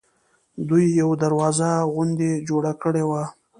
دوی یوه دروازه غوندې جوړه کړې وه.